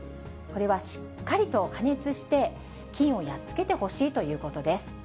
これはしっかりと加熱して、菌をやっつけてほしいということです。